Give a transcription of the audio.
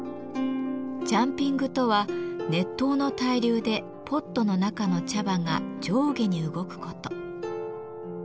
ジャンピングとは熱湯の対流でポットの中の茶葉が上下に動くこと。